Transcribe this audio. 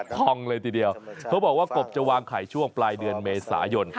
ทองเลยทีเดียวเขาบอกว่ากบจะวางไข่ช่วงปลายเดือนเมษายน